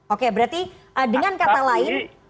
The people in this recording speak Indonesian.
oke berarti dengan kata lain